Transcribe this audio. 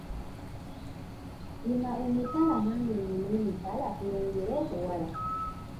Yima emitala nange nnyime emitala tulengere obuwala.